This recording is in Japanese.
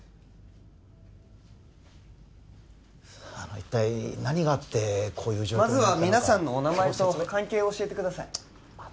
一体何があってまずは皆さんのお名前と関係を教えてください